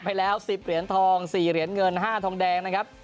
ไปแล้ว๑๐เหรียญทอง๔เหรียญเงิน๕ทองแดงนะครับ